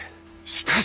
しかし！